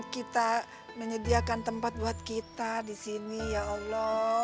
kita menyediakan tempat buat kita di sini ya allah